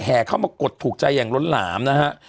เข้ามากดถูกใจอย่างล้นหลามนะฮะ